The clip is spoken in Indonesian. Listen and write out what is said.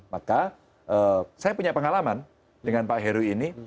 maka saya punya pengalaman dengan pak heru ini